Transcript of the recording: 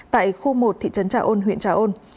tại khu một thị trấn trà ôn huyện trà ôn